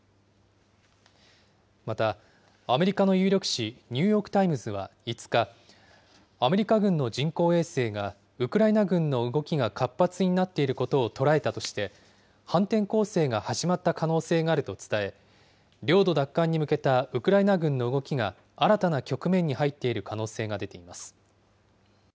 また、アメリカの有力紙、ニューヨーク・タイムズは５日、アメリカ軍の人工衛星が、ウクライナ軍の動きが活発になっていることを捉えたとして、反転攻勢が始まった可能性があると伝え、領土奪還に向けたウクライナ軍の動きが、新たな局面に入っている可能性が出ています。